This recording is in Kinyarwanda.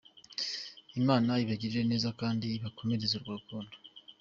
Imana ibagirire neza kandi ibakomereze urwo rukundo.